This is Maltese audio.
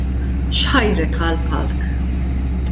X'ħajrek għall-palk?